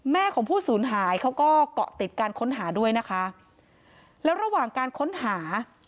แม่ของผู้สูญหายเขาก็เกาะติดการค้นหาด้วยนะคะแล้วระหว่างการค้นหา